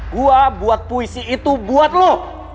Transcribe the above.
gue buat puisi itu buat lo